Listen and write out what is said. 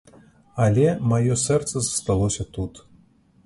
Але маё сэрца засталося тут.